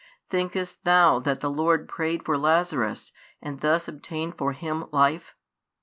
Thinkest thou that the Lord prayed for Lazarus, and thus obtained for him life?